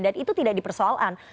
dan itu tidak dipersoalkan